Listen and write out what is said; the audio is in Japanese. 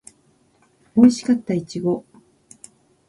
おいしかったいちご